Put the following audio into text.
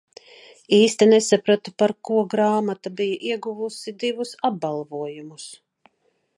Īsti nesapratu par ko grāmata bija ieguvusi divus apbalvojumus.